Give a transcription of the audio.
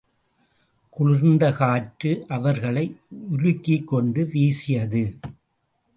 குளிர்ந்த காற்று அவர்களை உலுக்கிக்கொண்டு வீசியது.